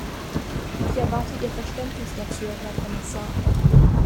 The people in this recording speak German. Ich erwarte ihr Verständnis dafür, Herr Kommissar.